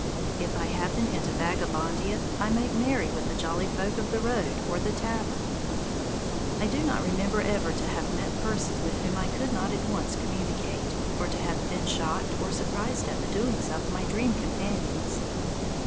If I happen into Vagabondia, I make merry with the jolly folk of the road or the tavern. I do not remember ever to have met persons with whom I could not at once communicate, or to have been shocked or surprised at the doings of my dream companions.